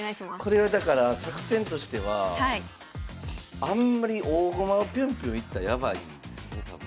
これはだから作戦としてはあんまり大駒をぴゅんぴゅんいったらやばいんですよね多分。